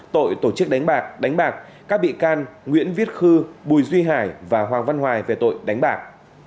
tội tổ chức đánh bạc đánh bạc các bị can nguyễn viết khư bùi duy hải và hoàng văn hoài về tội đánh bạc